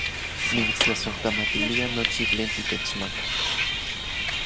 Nimitstlasojkamatilia nochi tlen titechmaka